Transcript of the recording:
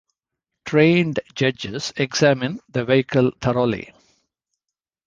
Trained judges examine the vehicle thoroughly.